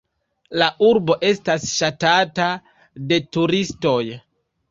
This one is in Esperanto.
La urbo estas ŝatata de turistoj.